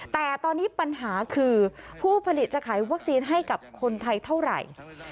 แต่ตอนนี้ปัญหาคือผู้ผลิตจะขายวัคซีนให้กับคนไทยเท่าไหร่